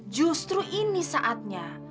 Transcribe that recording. justru ini saatnya